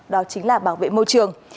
đó chính là bảo vệ môi trường